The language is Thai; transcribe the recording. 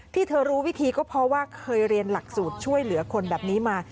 ที่เธอรู้วิธีก็เพราะว่าเคยเรียนหลักสูตรช่วยเหลือคนแบบนี้มา